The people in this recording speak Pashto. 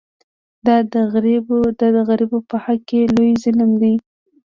دا د غریبو په حق کې لوی ظلم دی.